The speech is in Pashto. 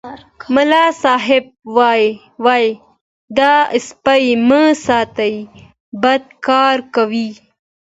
ملا صاحب ویل دا سپي مه ساتئ بد کار کوي.